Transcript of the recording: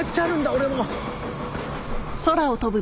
俺も。